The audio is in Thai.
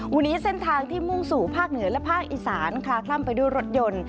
วันนี้เส้นทางที่มุ่งสู่ภาคเหนือและภาคอีสานคลาคล่ำไปด้วยรถยนต์